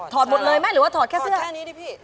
ถอดหมดเลยไหมหรือว่าถอดแค่เสื้อ